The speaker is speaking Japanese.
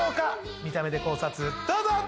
見た目で考察どうぞ！